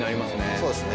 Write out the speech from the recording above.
そうですね。